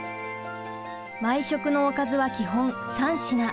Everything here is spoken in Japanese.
毎食のおかずは基本３品。